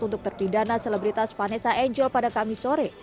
untuk terpidana selebritas vanessa angel pada kamis sore